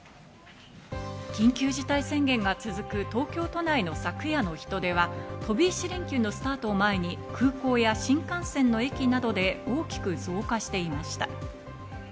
緊急事態宣言が続く東京都内の昨夜の人出は飛び石連休のスタートを前に空港や新幹線の駅などで大きく増加していました。